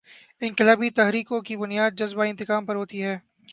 انقلابی تحریکوں کی بنیاد جذبۂ انتقام پر ہوتی ہے۔